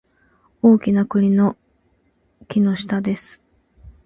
大きな栗の木の下です